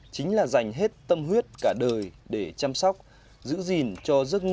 chính là dành hết tâm huyết cả đời để chăm sóc giữ gìn cho giấc mơ